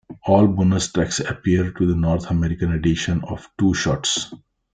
All bonus tracks appear on the North American edition of "Two Shots".